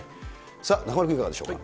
さあ、中丸君、いかがでしょう。